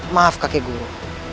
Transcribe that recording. maaf kakek guru